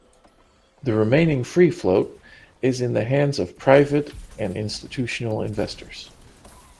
The remaining free float is in the hands of private and institutional investors.